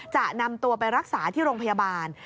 จะนำตัวไปรักษาที่โรงพยาบาล